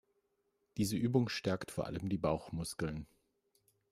Diese Übung stärkt vor allem die Bauchmuskeln.